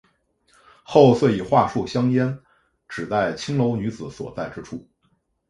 后遂以桦树香烟指代青楼女子所在之处。